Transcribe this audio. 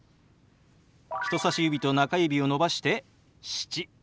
人さし指と中指を伸ばして「７」。